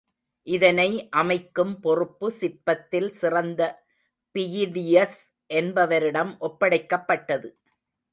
இதனை அமைக்கும் பொறுப்பு சிற்பத்தில் சிறந்த பியிடியஸ் என்பவரிடம் ஒப்படைக்கப்பட்டது.